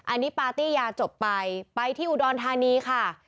อันนี้ปาร์ตี้ยาจบไปไปที่อุดรธานีค่ะ